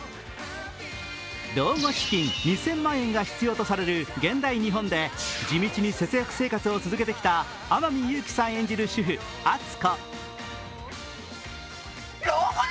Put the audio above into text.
老後資金２０００万円が必要とされる現代日本で、地道に節約生活を続けてきた天海祐希さん演じる主婦・篤子。